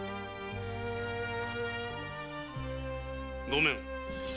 ・ごめん！